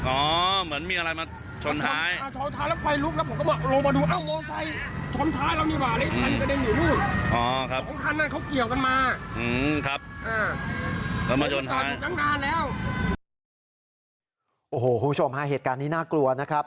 คุณผู้ชมฮะเหตุการณ์นี้น่ากลัวนะครับ